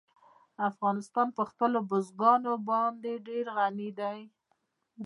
افغانستان په خپلو بزګانو باندې ډېر غني دی.